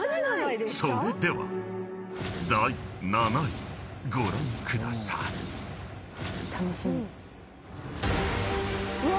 ［それでは第７位ご覧ください］うわ！